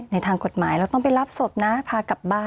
ในทางกฎหมายเราต้องไปรับศพนะพากลับบ้าน